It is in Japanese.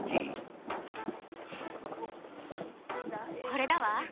これだわ。